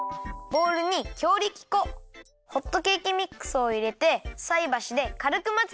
ボウルに強力粉ホットケーキミックスをいれてさいばしでかるくまぜたら。